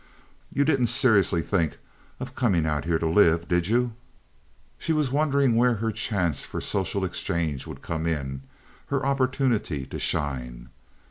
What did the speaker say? "You didn't seriously think of coming out here to live, did you?" She was wondering where her chance for social exchange would come in—her opportunity to shine.